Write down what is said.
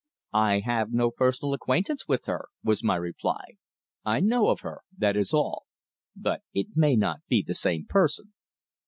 "I have no personal acquaintance with her," was my reply. "I know of her that is all. But it may not be the same person."